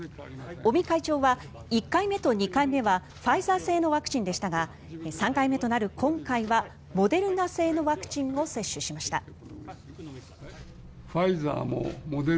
尾身会長は１回目と２回目はファイザー製のワクチンでしたが３回目となる今回はモデルナ製のワクチンを接種しました。